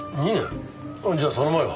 じゃあその前は？